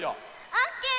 オッケー！